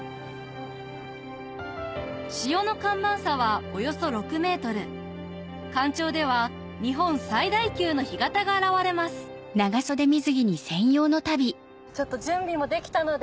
潮の干満差はおよそ６ｍ干潮では日本最大級の干潟が現れます準備もできたので。